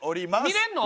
見れんの？